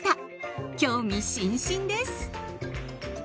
興味津々です！